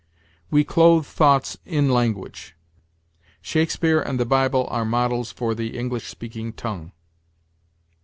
We clothe thoughts in language. "Shakespeare ... and the Bible are ... models for the English speaking tongue."